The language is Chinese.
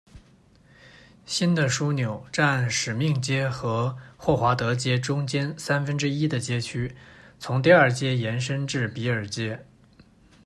新的枢纽占使命街和霍华德街中间三分之一的街区，从第二街延申至比尔街。